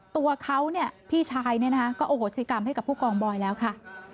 ตัวเขาพี่ชายก็โอโหสิกรรมให้กับผู้กองบอยแล้วค่ะ